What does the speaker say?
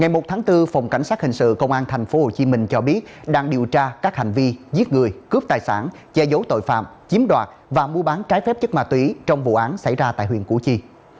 ngày một tháng bốn phòng cảnh sát hình sự công an tp hcm cho biết đang điều tra các hành vi giết người cướp tài sản che giấu tội phạm chiếm đoạt và mua bán trái phép chất ma túy trong vụ án xảy ra tại huyện củ chi